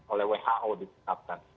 oleh who ditekatkan